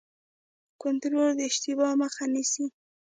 کنټرول د اشتباه مخه نیسي